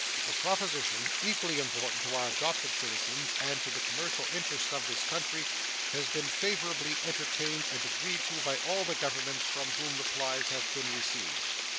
This proposition, equally important to our adopted citizens and to the commercial interests of this country, has been favorably entertained and agreed to by all the governments from whom replies have been received.